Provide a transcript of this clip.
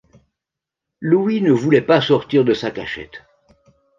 Louis ne voulait pas sortir de sa cachette.